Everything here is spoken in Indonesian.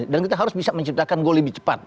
dan kita harus bisa menciptakan gol lebih cepat